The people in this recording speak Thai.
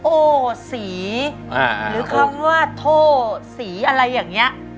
โอศรีหรือคำว่าโทศรีอะไรอย่างเนี่ย